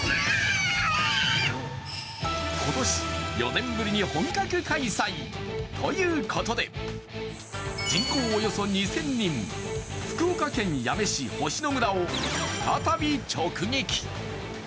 今年、４年ぶりに本格開催ということで、人口およそ２０００人福岡県八女市星野村を再び直撃。